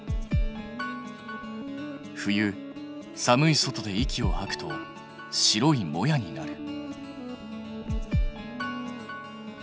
冬寒い外で息をはくと白いモヤになる。